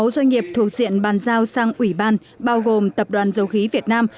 sáu doanh nghiệp thuộc diện bàn giao sang ủy ban bao gồm tập đoàn dầu khí việt nam